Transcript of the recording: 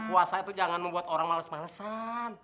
puasa itu jangan membuat orang males malesan